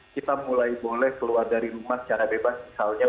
kita mulai boleh keluar dari rumah secara bebas misalnya